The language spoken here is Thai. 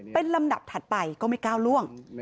เป็นลำดับถัดไปก็ไม่ก้าวล่วง